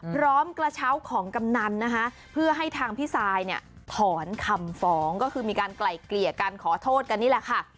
กระเช้าของกำนันนะคะเพื่อให้ทางพี่ซายเนี่ยถอนคำฟ้องก็คือมีการไกล่เกลี่ยการขอโทษกันนี่แหละค่ะ